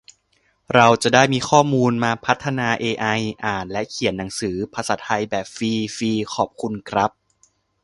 เราจะได้มีข้อมูลมาพัฒนา เอไอ อ่านและเขียนหนังสือภาษาไทยแบบฟรี ฟรี ขอบคุณครับ